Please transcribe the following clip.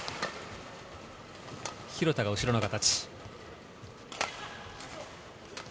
廣田が後ろの形。